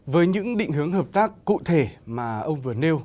với những định hướng hợp tác cụ thể mà ông vừa nêu